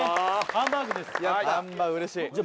ハンバーグ嬉しい